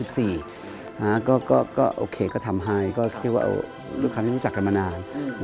ก็โอเคก็ทำให้ก็คิดว่าลูกค้าที่รู้จักกันมานาน